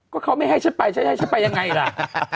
ก็เขาไม่ให้ฉันไปฉันให้ฉันไปยังไงล่ะ